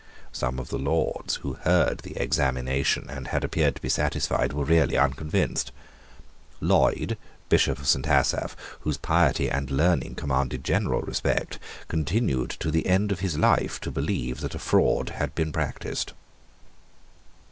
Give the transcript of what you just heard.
Some of the Lords who had heard the examination, and had appeared to be satisfied, were really unconvinced. Lloyd, Bishop of St. Asaph, whose piety and learning commanded general respect, continued to the end of his life to believe that a fraud had been practised.